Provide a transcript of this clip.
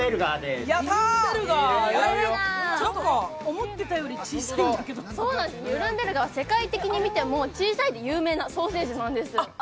思っていたより小さいんだけどニュルンベルガーは世界的に見ても小さいで有名なソーセージなんです。